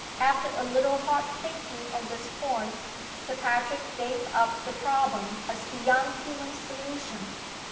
After a little hard thinking on this point Sir Patrick gave up the problem as beyond human solution.